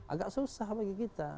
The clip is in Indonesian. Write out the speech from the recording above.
agak susah bagi kita